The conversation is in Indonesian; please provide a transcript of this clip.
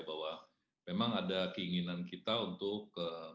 bahwa memang ada keinginan kita untuk